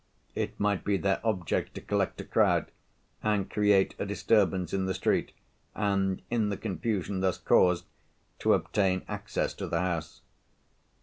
It might be their object to collect a crowd, and create a disturbance in the street, and, in the confusion thus caused, to obtain access to the house.